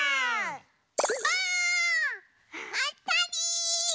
ばあっ！あたり！